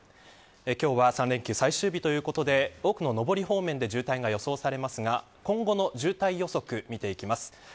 今日は３連休最終日ということで多くの上り方面で渋滞が予想されますが今後の渋滞予測を見ていきます。